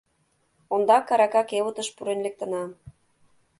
— Ондак арака кевытыш пурен лектына.